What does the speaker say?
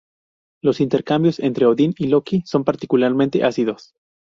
Los intercambios entre Odín y Loki son particularmente ácidos.